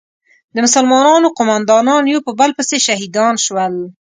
د مسلمانانو قومندانان یو په بل پسې شهیدان شول.